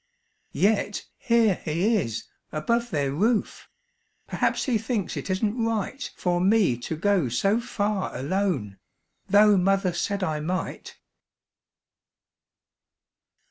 Yet here he is above their roof; Perhaps he thinks it isn't right For me to go so far alone, Tho' mother said I might.